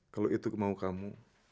kalau itu kemau kamu